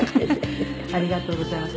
ありがとうございます。